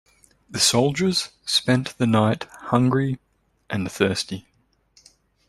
The soldiers spent the night hungry and thirsty.